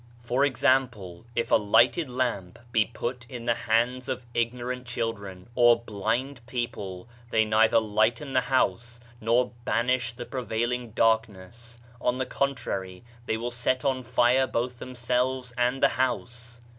For example, if a lighted lamp be put in the hands of ignorant children, or blind people, they neither lighten the house nor banish the prevailing darkness; on the contrary, they will set on fire both themselves and the house.